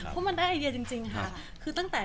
เพราะมันได้ไอเดียจริงค่ะคือตั้งแต่